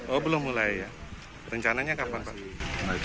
oh belum mulai ya rencananya kapan pak